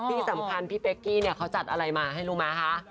ที่สำคัญพี่เป๊กกี้เนี่ยเขาจัดอะไรมาให้รู้มั้ยคะ